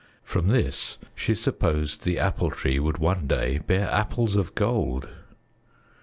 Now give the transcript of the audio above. From this she supposed the Apple Tree would one day bear apples of gold.